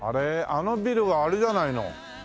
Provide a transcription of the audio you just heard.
あのビルはあれじゃないの？